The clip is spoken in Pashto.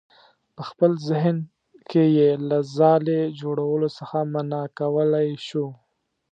په خپل ذهن کې یې له ځالې جوړولو څخه منع کولی شو.